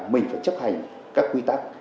mình phải chấp hành các quy tắc